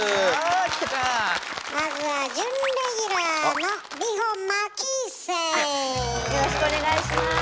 まずはあっよろしくお願いします。